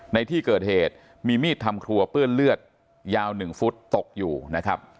ในที่เกิดเหตุมีมีดทำครัวเปื้อนเลือดยาว๑ฟุตตกอยู่นะครับ